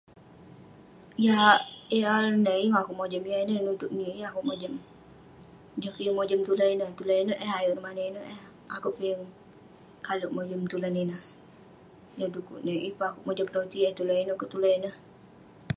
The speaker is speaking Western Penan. Yah- yah AI ineh yeng akeuk mojam. Yah ineh neh nuteuk nik yeng akeuk mojam. Joh kik yeng mojam tulan ineh, tulan ineuk eh, ayuk ireh maneuk ineuk eh. Akeuk peh yeng kalek mojam tulan ineh. Yan dukuk neh yeng peh akeuk mojam peroti eh tulan ineuk keh tulan ineh.